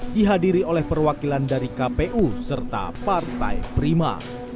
dihadiri oleh perwakilan dari kpu serta partai prima